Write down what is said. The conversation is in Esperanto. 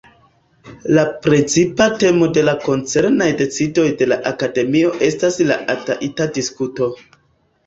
La precipa temo de la koncernaj decidoj de la Akademio estas la ata-ita-diskuto.